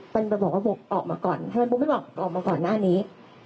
มันไปบอกว่าบุ๊กออกมาก่อนทำไมโบ๊ไม่บอกออกมาก่อนหน้านี้